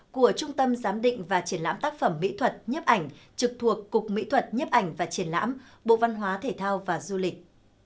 của trung tâm giám định và triển lãm tác phẩm mỹ thuật nhấp ảnh trực thuộc cục mỹ thuật nhấp ảnh và triển lãm bộ văn hóa thể thao và du lịch